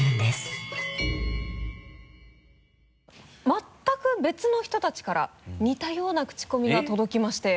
全く別の人たちから似たようなクチコミが届きまして。